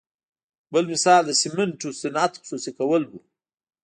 بل مثال د سمنټو صنعت خصوصي کول وو.